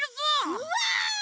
うわ！